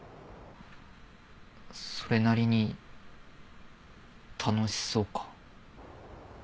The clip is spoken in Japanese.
それなりに楽しそうか。